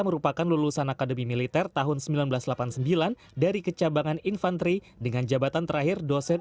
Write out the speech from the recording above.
merupakan lulusan akademi militer tahun seribu sembilan ratus delapan puluh sembilan dari kecabangan infanteri dengan jabatan terakhir dosen